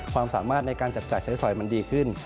ความสามารถในการจับจ่ายใช้สอยมันดีขึ้น